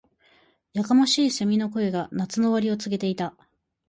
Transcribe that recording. •やかましい蝉の声が、夏の終わりを告げていた。